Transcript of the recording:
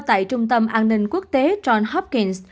tại trung tâm an ninh quốc tế john hopkins